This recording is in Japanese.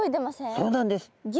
そうなんです。